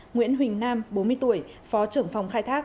nguyễn huỳnh nam bốn mươi tuổi phó trưởng phòng khai thác